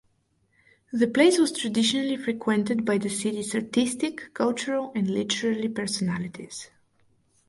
The place was traditionally frequented by the city's artistic, cultural and literary personalities.